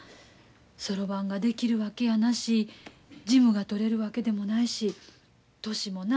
そろばんができるわけやなし事務がとれるわけでもないし年もな